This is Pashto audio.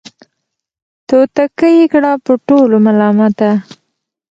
توتکۍ یې کړه په ټولو ملامته